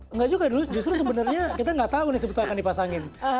enggak juga dulu justru sebenarnya kita nggak tahu nih sebetulnya akan dipasangin